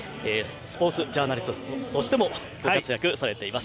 スポーツジャーナリストとしてもご活躍されています。